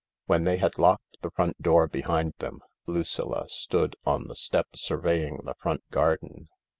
When they had locked the front door behind them Lucilla stood on the step surveying the front garden.